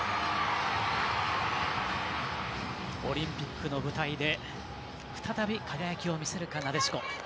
オリンピックの舞台で再び輝きを見せるか、なでしこ。